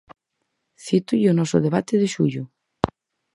Cítolle o noso debate de xullo.